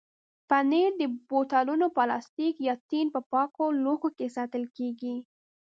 پنېر د بوتلونو، پلاستیک یا ټین په پاکو لوښو کې ساتل کېږي.